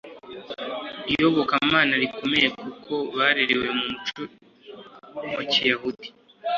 iyobokamana rikomeye kuko barerewe mu muco wa kiyahudi